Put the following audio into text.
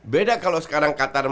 beda kalau sekarang kataranda